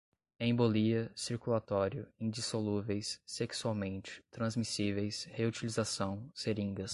embolia, circulatório, indissolúveis, sexualmente, transmissíveis, reutilização, seringas